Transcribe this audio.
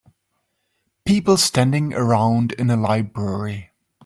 People standing around in a library.